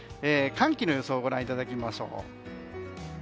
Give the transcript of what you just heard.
寒気の予想をご覧いただきます。